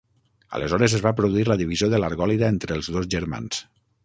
Aleshores es va produir la divisió de l'Argòlida entre els dos germans.